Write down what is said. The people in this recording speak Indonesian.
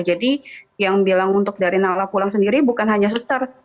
jadi yang bilang untuk dari nalah pulang sendiri bukan hanya suster